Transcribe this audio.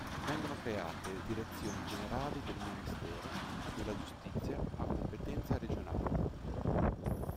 Vengono create direzioni generali del Ministero della giustizia a competenza regionale.